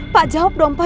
pak jawab dong pak